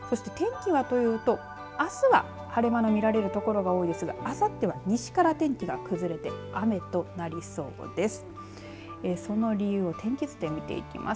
そして、天気はというとあすは晴れ間が見られる所が多いですが、あさっては西から天気が崩れて雨となりそうです。